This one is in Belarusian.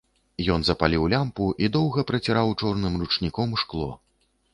Ён запаліў лямпу і доўга праціраў чорным ручніком шкло.